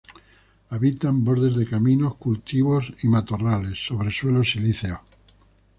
Habita en bordes de caminos, cultivos y matorrales, sobre suelos silíceos.